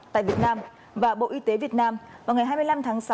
tại việt nam và bộ y tế việt nam vào ngày hai mươi năm tháng sáu